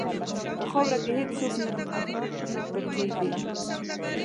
په خاوره کې هېڅ څوک نه پټیږي.